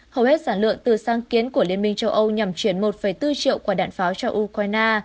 hầu hết sản lượng từ sáng kiến của liên minh châu âu nhằm chuyển một bốn triệu quả đạn pháo cho ukraine